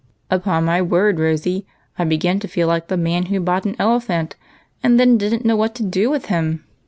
"Upon my word. Rosy, I begin to feel like the man who bought an elephant, and then didn't know what to do w4th him.